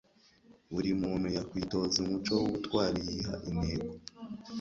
buri muntu yakwitoza umuco w'ubutwari yiha intego